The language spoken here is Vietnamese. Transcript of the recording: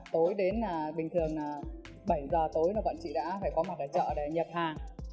tối đến là bình thường là bảy giờ tối là bọn chị đã phải có mặt ở chợ để nhập hàng